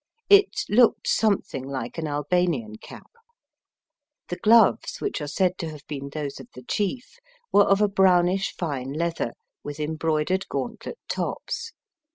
It looked something like an Albanian cap. The gloves, which are said to have been those of the chief, were of a brownish fine leather, with embroidered gauntlet tops.